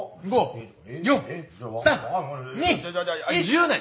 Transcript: １０年！